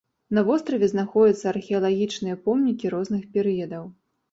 На востраве знаходзяцца археалагічныя помнікі розных перыядаў.